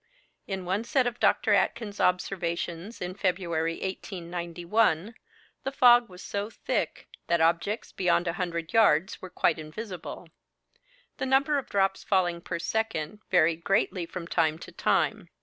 In one set of Dr. Aitken's observations, in February 1891, the fog was so thick that objects beyond a hundred yards were quite invisible. The number of drops falling per second varied greatly from time to time.